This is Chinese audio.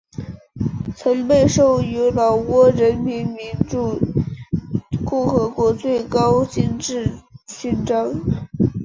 曾被授予老挝人民民主共和国最高金质勋章。